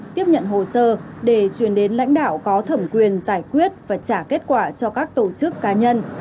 tiếp nhận hồ sơ để truyền đến lãnh đạo có thẩm quyền giải quyết và trả kết quả cho các tổ chức cá nhân